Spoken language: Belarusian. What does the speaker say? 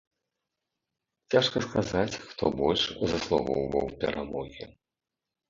Цяжка сказаць, хто больш заслугоўваў перамогі.